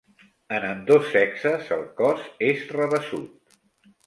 En ambdós sexes, el cos és rabassut.